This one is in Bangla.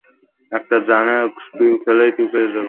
একটা জ্যানেক্স পিল খেলেই ঠিক হয়ে যাব!